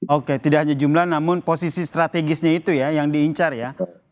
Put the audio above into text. oke tidak hanya jumlah namun posisi strategisnya itu ya yang diincar ya